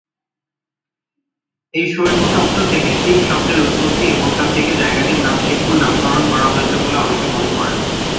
এই শৈব শব্দ থেকে শিব শব্দের উৎপত্তি এবং তা থেকে জায়গাটির নাম শিবপুর নামকরণ করা হয়েছে বলে অনেকে মনে করেন।